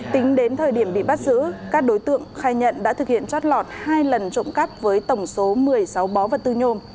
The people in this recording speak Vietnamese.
tính đến thời điểm bị bắt giữ các đối tượng khai nhận đã thực hiện trót lọt hai lần trộm cắp với tổng số một mươi sáu bó vật tư nhôm